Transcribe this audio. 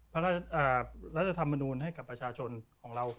พระราชรัฐธรรมนูลให้กับประชาชนของเรา